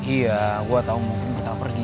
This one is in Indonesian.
iya gue tau mungkin bakal pergi